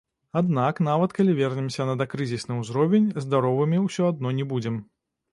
Аднак нават калі вернемся на дакрызісны ўзровень, здаровымі ўсё адно не будзем.